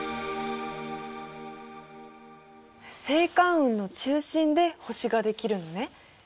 星間雲の中心で星ができるのね。